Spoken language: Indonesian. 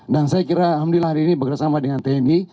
dan saya kira alhamdulillah hari ini bergerak sama dengan tni